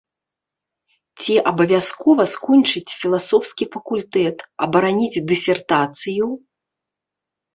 Ці абавязкова скончыць філасофскі факультэт, абараніць дысертацыю?